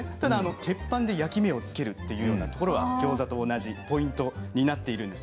鉄板で焼き目をつけるのはギョーザと同じポイントになっています。